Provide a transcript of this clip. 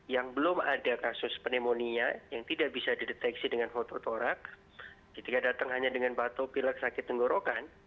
yang belum ada kasus pneumonia yang tidak bisa dideteksi dengan fototorak ketika datang hanya dengan batu pilek sakit tenggorokan